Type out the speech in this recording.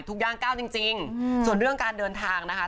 ย่างก้าวจริงส่วนเรื่องการเดินทางนะคะ